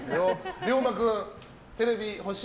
涼真君テレビ、欲しい？